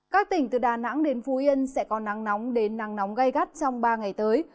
các tỉnh từ đà nẵng đến phú yên sẽ có nắng nóng đến nắng nóng gai gắt trong ba ngày tới